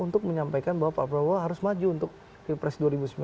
untuk menyampaikan bahwa pak prabowo harus maju untuk pilpres dua ribu sembilan belas